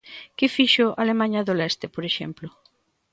Que fixo Alemaña do Leste, por exemplo?